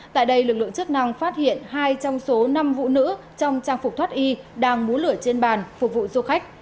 tại đây lực lượng chức năng phát hiện hai trong số năm phụ nữ trong trang phục thoát y đang múa lửa trên bàn phục vụ du khách